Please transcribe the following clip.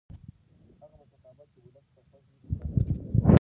هغه مشرتابه چې ولس ته غوږ نیسي بریالی وي